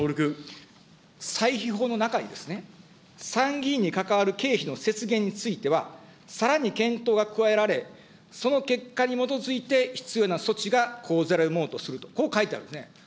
歳費法の中にですね、参議院に関わる経費の節減については、さらに検討が加えられ、その結果に基づいて必要な措置が講ぜられるものとすると、こう書いてあるんですね。